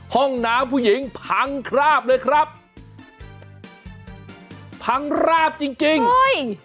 ห้องน้ำผู้หญิงพังคราบเลยครับพังราบจริงจริงอุ้ย